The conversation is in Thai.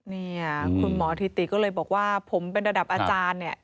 เนี่ยคุณหมอธิติก็เลยบอกว่าผมเป็นระดับอาจารย์เนี่ย